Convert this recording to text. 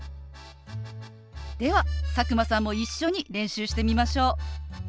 では佐久間さんも一緒に練習してみましょう。